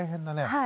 はい。